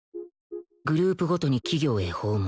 グループごとに企業へ訪問